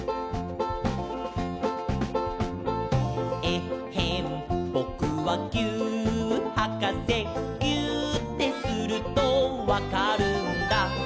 「えっへんぼくはぎゅーっはかせ」「ぎゅーってするとわかるんだ」